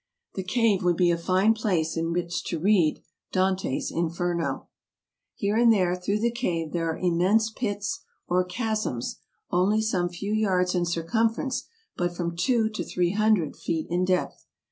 The cave would be a fine place in which to read Dante's Inferno. Here and there through the cave there are immense pits or chasms, only some few yards in circumference, but from two to three hundred feet in depth.